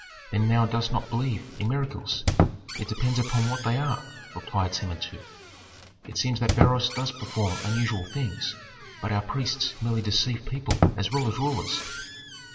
"Then thou dost not believe in miracles?" "It depends upon what they are," replied Samentu. "It seems that Beroes does perform unusual things; but our priests merely deceive people as well as rulers."